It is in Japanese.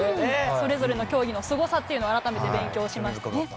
それぞれの競技のすごさというのを改めて勉強しましたね。